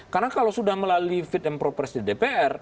karena kalau sudah melalui fit and proper test di dpr